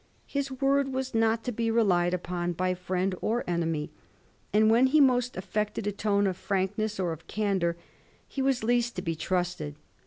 His word was not to be relied upon by firiend or enemy, and when he most affected a tone of fii'ankness or of candour he was least to be trusted.